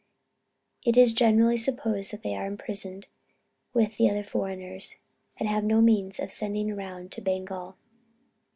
It is generally supposed that they are imprisoned with other foreigners, and have not the means of sending round to Bengal.